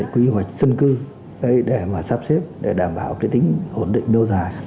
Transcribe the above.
quy hoạch dân cư để mà sắp xếp để đảm bảo cái tính ổn định lâu dài